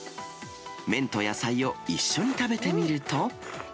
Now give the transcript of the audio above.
麺と野菜を一緒に食べてみると。